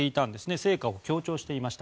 成果を強調していました。